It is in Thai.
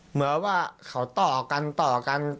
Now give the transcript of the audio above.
เหมือนว่าเขาต่อกันต่อกัน